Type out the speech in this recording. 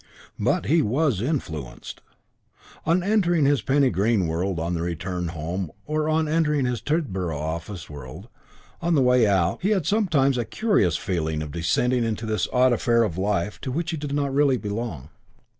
But he was influenced. On entering his Penny Green world on the return home, or on entering his Tidborough office world, on the way out, he had sometimes a curious feeling of descending into this odd affair of life to which he did not really belong.